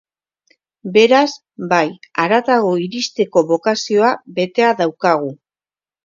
Beraz, bai, haratago iristeko bokazio betea daukagu.